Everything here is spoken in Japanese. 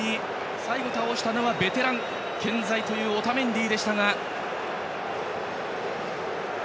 最後、倒したのはベテラン健在というオタメンディでしたが。